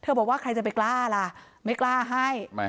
บอกว่าใครจะไปกล้าล่ะไม่กล้าให้